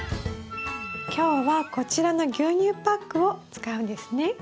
今日はこちらの牛乳パックを使うんですね？